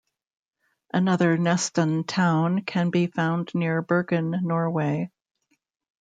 Another Nesttun town can be found near Bergen, Norway.